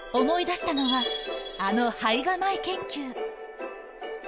思い出したのは、あの胚芽米研究。